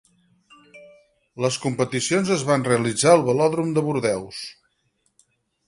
Les competicions es van realitzar al Velòdrom de Bordeus.